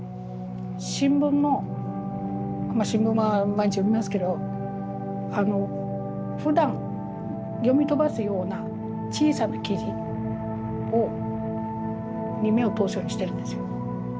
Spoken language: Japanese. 新聞も新聞は毎日読みますけどふだん読み飛ばすような小さな記事に目を通すようにしてるんですよ。